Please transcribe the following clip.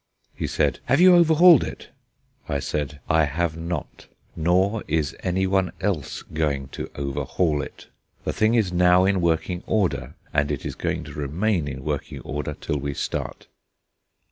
He said: "Have you overhauled it?" I said: "I have not, nor is anyone else going to overhaul it. The thing is now in working order, and it is going to remain in working order till we start."